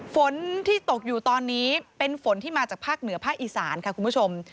ฝนที่ตกอยู่ตอนนี้เป็นฝนที่มาจากภาคเหนือภาคอีสานค่ะคุณผู้ชม